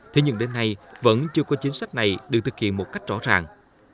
thế nhưng đến nay vẫn chưa có chính sách này được thực hiện một cách rõ ràng